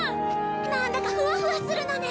なんだかふわふわするのね。